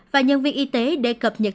và nhân viên y tế để cập nhật